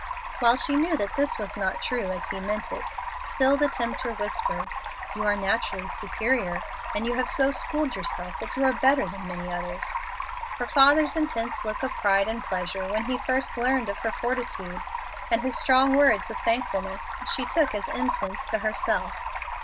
While she knew that this was not true as he meant it, still the tempter whispered, "You are naturally superior, and you have so schooled yourself that you are better than many others." Her father's intense look of pride and pleasure when he first learned of her fortitude, and his strong words of thankfulness, she took as incense to herself.